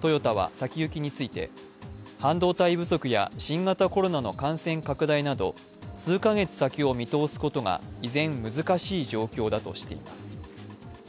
トヨタは先行きについて半導体不足や新型コロナの感染拡大など、数カ月先を見通すことが依然難しい状況だとしています。